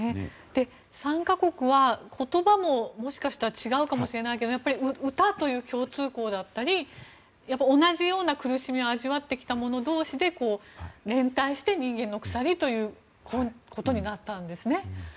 ３か国は言葉ももしかしたら違うかもしれないけどやっぱり歌という共通項だったり同じような苦しみを味わってきた者同士で連帯して人間の鎖ということになったんですね。